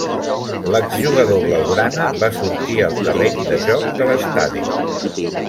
L'exjugador blaugrana va sortir al terreny de joc de l'Estadi.